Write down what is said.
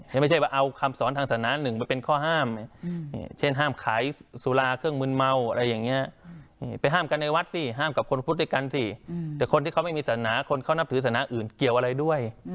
ไม่ใช่ว่าเอาคำสอนทางศาสนาหนึ่งไปเป็นข้อห้ามอย่างเช่นห้ามขายสุราเครื่องมืนเมาอะไรอย่างนี้ไปห้ามกันในวัดสิห้ามกับคนพุทธด้วยกันสิแต่คนที่เขาไม่มีศาสนาคนเขานับถือศาสนาอื่นเกี่ยวอะไรด้วย